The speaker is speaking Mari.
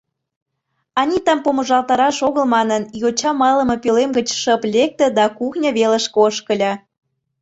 Анитам помыжалтараш огыл манын, йоча малыме пӧлем гыч шып лекте да кухньо велышке ошкыльо.